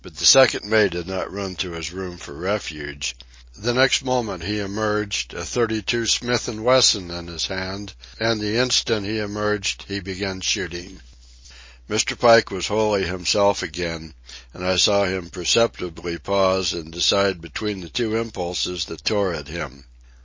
But the second mate had not run to his room for refuge. The next moment he emerged, a thirty two Smith and Wesson in his hand, and the instant he emerged he began shooting. Mr. Pike was wholly himself again, and I saw him perceptibly pause and decide between the two impulses that tore at him.